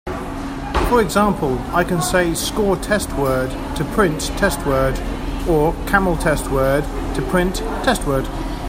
For example, I can say "score test word" to print "test word", or "camel test word" to print "testWord".